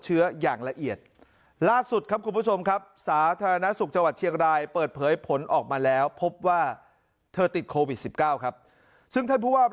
ซึ่งท่านพูดว่า